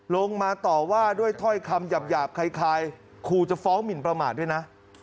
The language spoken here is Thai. ลงมาต่อว่าด้วยถ้อยคำหยาบคล้ายขู่จะฟ้องหมินประมาทด้วยนะ